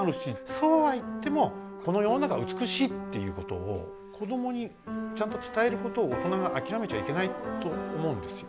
そうは言ってもこの世の中は美しいっていうことを子どもにちゃんと伝えることを大人が諦めちゃいけないと思うんですよ。